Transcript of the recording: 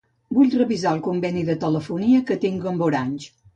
Vull revisar el conveni de telefonia que tinc amb Orange.